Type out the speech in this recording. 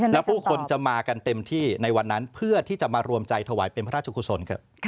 แล้วผู้คนจะมากันเต็มที่ในวันนั้นเพื่อที่จะมารวมใจถวายเป็นพระราชกุศล